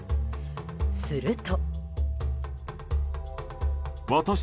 すると。